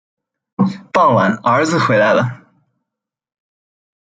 傍晚儿子回来了